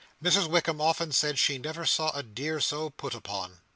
Mrs Wickam often said she never see a dear so put upon.